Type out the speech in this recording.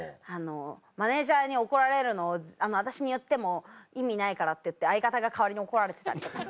マネジャーに怒られるのを私に言っても意味ないからって相方が代わりに怒られてたりとか。